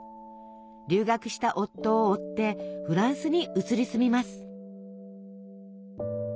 留学した夫を追ってフランスに移り住みます。